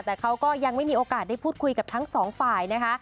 แต่เขาก็ยังไม่มีโอกาสได้พูดคุยกับทั้งสองฝ่ายนะคะ